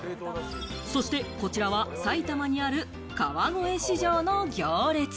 そしてこちらは埼玉にある川越市場の行列。